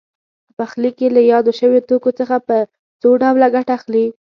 په پخلي کې له یادو شویو توکو څخه په څو ډوله ګټه اخلي.